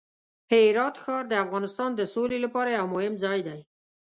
هرات ښار د افغانستان د سولې لپاره یو مهم ځای دی.